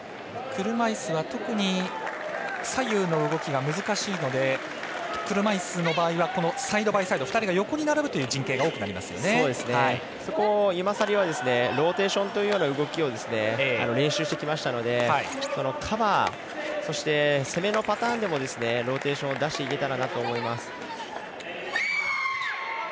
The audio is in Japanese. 車いすは特に左右の動きが難しいので車いすの場合はサイドバイサイド２人が横に並ぶという陣形がそこをユマサリはローテーションという動きを練習してきましたので、カバーそして攻めのパターンでもローテーションを出していけたらなと思います。